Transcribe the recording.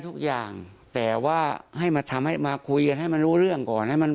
ทุกอย่างแต่ว่าให้มาทำให้มาคุยกันให้มันรู้เรื่องก่อนให้มัน